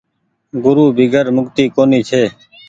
گورو بيگير مڪتي ڪونيٚ ڇي۔